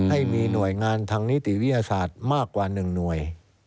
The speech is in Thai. ให้มีหน่วยงานทางนิติวิทยาศาสตร์มากกว่า๑หน่วย